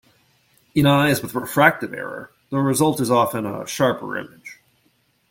In eyes with refractive error, the result is often a sharper image.